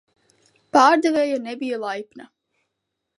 Pārdevēja nebija laipna